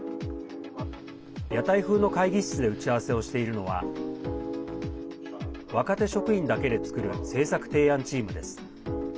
屋台風の会議室で打ち合わせをしているのは若手職員だけで作る政策提案チームです。